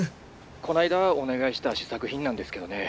☎こないだお願いした試作品なんですけどね